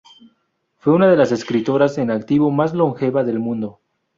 Fue una de las escritoras en activo más longeva del mundo.